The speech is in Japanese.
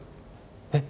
えっ？